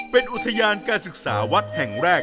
เป็นอุทยานการศึกษาวัดแห่งแรก